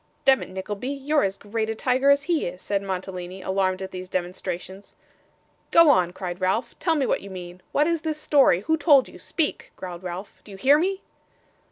'Demmit, Nickleby, you're as great a tiger as he is,' said Mantalini, alarmed at these demonstrations. 'Go on,' cried Ralph. 'Tell me what you mean. What is this story? Who told you? Speak,' growled Ralph. 'Do you hear me?